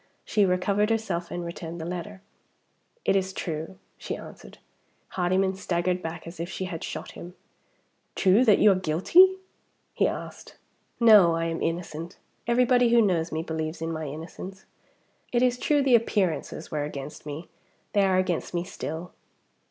She recovered herself, and returned the letter. "It is true," she answered. Hardyman staggered back as if she had shot him. "True that you are guilty?" he asked. "No; I am innocent. Everybody who knows me believes in my innocence. It is true the appearances were against me. They are against me still."